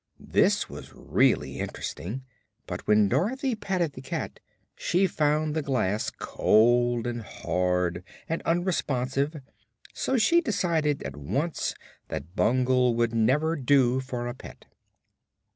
This was really interesting, but when Dorothy patted the cat she found the glass cold and hard and unresponsive, so she decided at once that Bungle would never do for a pet.